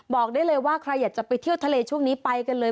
บอกได้เลยว่าใครอยากจะไปเที่ยวทะเลช่วงนี้ไปกันเลย